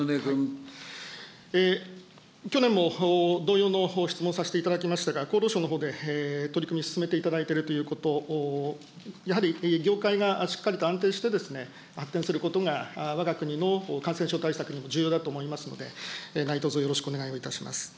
去年も同様の質問をさせていただきましたが、厚労省のほうで取り組み進めていただいているということ、やはり業界がしっかりと安定して、発展することがわが国の感染症対策にも重要だと思いますので、何とぞよろしくお願いをいたします。